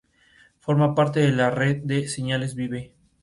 Forma parte de la red de señales Vive!